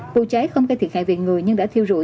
vụ cháy không gây thiệt hại viện người nhưng đã thiêu rùi